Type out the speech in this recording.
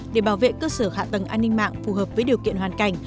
để bảo vệ cơ sở hạ tầng an ninh mạng phù hợp với điều kiện hoàn cảnh